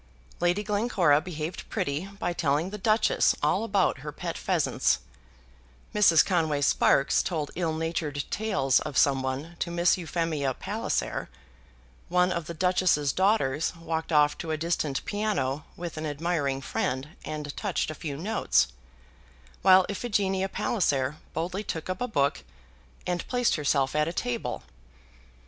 Lady Glencora behaved pretty by telling the Duchess all about her pet pheasants; Mrs. Conway Sparkes told ill natured tales of some one to Miss Euphemia Palliser; one of the Duchess's daughters walked off to a distant piano with an admiring friend and touched a few notes; while Iphigenia Palliser boldly took up a book, and placed herself at a table.